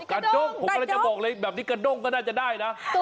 กระด้งผมกำลังจะบอกเลยแบบนี้กระด้งก็น่าจะได้นะ